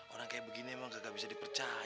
orang kayak begini emang kagak bisa dipercaya